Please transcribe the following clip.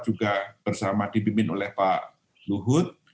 juga bersama dipimpin oleh pak luhut